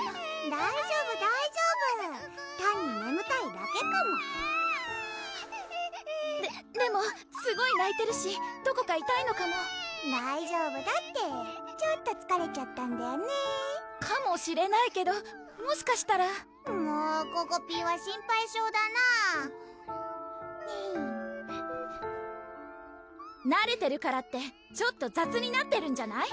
大丈夫大丈夫単にねむたいだけかもアーエーンででもすごいないてるしどこかいたいのかも大丈夫だってちょっとつかれちゃったんだよねかもしれないけどもしかしたらもうここぴーは心配性だなぁなれてるからってちょっと雑になってるんじゃない？